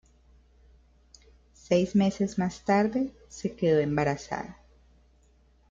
Seis meses más tarde se quedó embarazada.